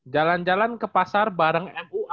jalan jalan ke pasar bareng mui